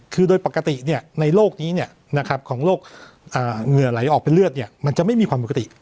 คือโดยปกติในโลกนี้ของโรคเหงื่อไหลออกเป็นเลือดมันจะไม่มีความปกติ